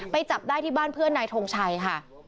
จับได้ที่บ้านเพื่อนนายทงชัยค่ะ